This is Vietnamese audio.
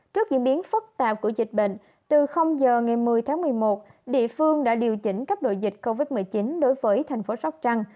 trước diễn biến phức tạp của dịch bệnh từ giờ ngày một mươi tháng một mươi một địa phương đã điều chỉnh cấp đội dịch covid một mươi chín đối với thành phố sóc trăng